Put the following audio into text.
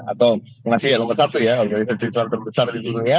atau masih yang nomor satu ya organisasi terbesar di dunia